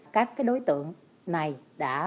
các đối tượng này đã